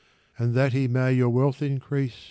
I And that he may your wealth increase